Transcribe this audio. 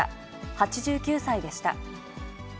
８９歳でした。